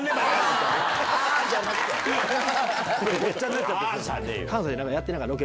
ごっちゃになっちゃって。